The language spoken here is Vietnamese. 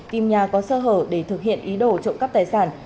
tìm nhà có sơ hở để thực hiện ý đồ trộm cắp tài sản